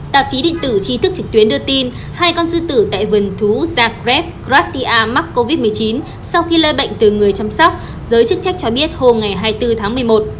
tạp chí định tử trí thức trực tuyến đưa tin hai con sư tử tại vườn thú zagreb kratia mắc covid một mươi chín sau khi lơi bệnh từ người chăm sóc giới chức trách cho biết hôm hai mươi bốn tháng một mươi một